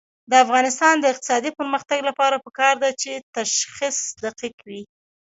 د افغانستان د اقتصادي پرمختګ لپاره پکار ده چې تشخیص دقیق وي.